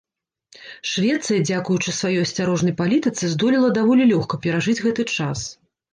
Швецыя дзякуючы сваёй асцярожнай палітыцы здолела даволі лёгка перажыць гэты час.